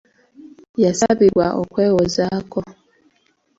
Yasabibwa okwewozaako.